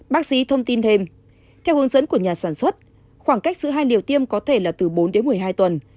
bác sĩ thông tin thêm theo hướng dẫn của nhà sản xuất khoảng cách giữa hai liều tiêm có thể là từ bốn đến một mươi hai tuần